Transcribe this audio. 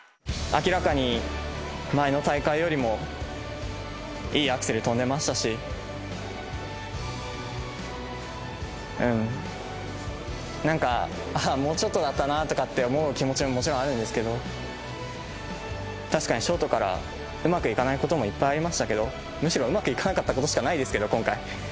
明らかに前の大会よりも、いいアクセル跳んでましたし、なんか、もうちょっとだったなとかって思う気持ちももちろんあるんですけど、確かにショートからうまくいかないこともいっぱいありましたけど、むしろうまくいかなかったことしかないですけど、今回。